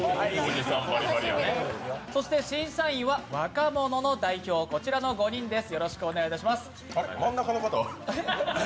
そして審査員は若者の代表こちらの５人です。